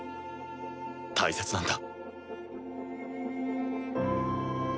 大切なんだ。